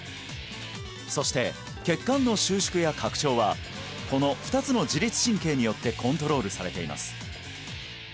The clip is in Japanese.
そして血管の収縮や拡張はこの２つの自律神経によってコントロールされています